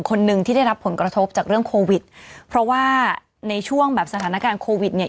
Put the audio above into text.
คนหนึ่งที่ได้รับผลกระทบจากเรื่องโควิดเพราะว่าในช่วงแบบสถานการณ์โควิดเนี่ย